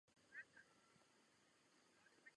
S fotbalem začínal v klubu Spartak Jihlava.